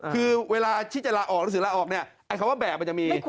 คือเวลานะคะ่วมว่าแบบมันจะมี